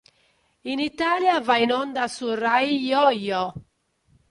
In Italia va in onda su Rai Yoyo.